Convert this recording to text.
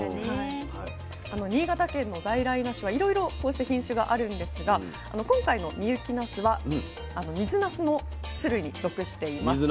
新潟県の在来なすはいろいろこうして品種があるんですが今回の深雪なすは水なすの種類に属しています。